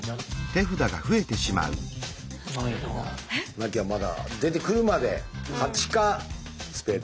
なきゃまだ出てくるまで８かスペード。